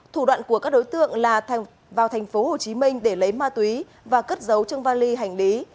thủ đoạn của các đối tượng là vào thành phố hồ chí minh để lấy ma túy và cất dấu trương vali hành lý